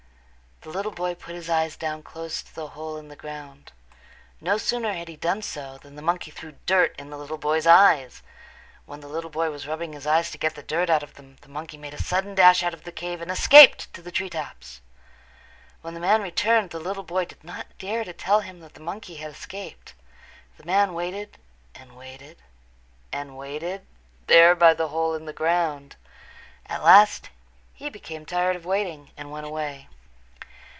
The little boy put his eyes down close to the hole in the ground. No sooner had he done so than the monkey threw dirt into the little boy's eyes. When the little boy was rubbing his eyes to get the dirt out of them the monkey made a sudden dash out of the cave and escaped to the tree tops. When the man returned the little boy did not dare to tell him that the monkey had escaped. The man waited and waited and waited there by the hole in the ground. At last he became tired of waiting and went away.